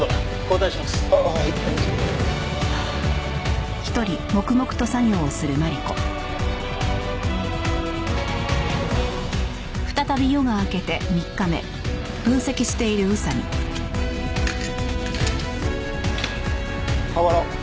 代わろう。